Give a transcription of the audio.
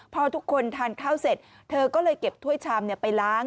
พอทุกคนทานข้าวเสร็จเธอก็เลยเก็บถ้วยชามไปล้าง